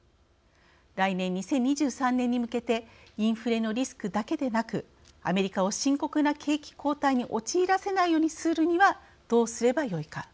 来年２０２３年に向けてインフレのリスクだけでなくアメリカを深刻な景気後退に陥らせないようにするにはどうすればよいか。